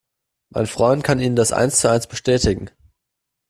Mein Freund kann Ihnen das eins zu eins bestätigen.